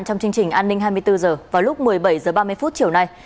trong chương trình an ninh hai mươi bốn h vào lúc một mươi bảy h ba mươi chiều nay